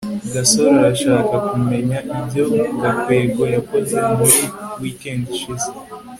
gasore arashaka kumenya ibyo gakwego yakoze muri weekend ishize